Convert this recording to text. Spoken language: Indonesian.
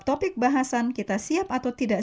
topik bahasan kita siap atau tidak